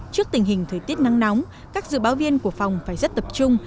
trước tình hình thời tiết nắng nóng các dự báo viên của phòng phải rất tập trung